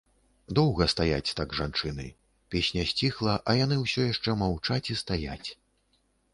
Доўга стаяць так жанчыны, песня сціхла, а яны ўсё яшчэ маўчаць і стаяць.